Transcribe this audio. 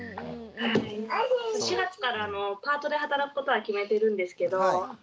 ４月からパートで働くことは決めてるんですけど。